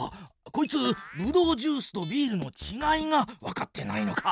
こいつブドウジュースとビールのちがいがわかってないのか。